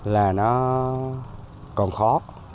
là nó còn khó